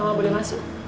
mama boleh masuk